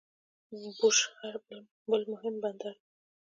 بوشهر بل مهم بندر دی.